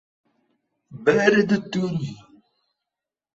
Barra do Turvo